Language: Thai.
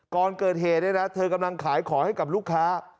ก่อนเกิดเหตุเนี่ยนะเธอกำลังขายของให้กับลูกค้า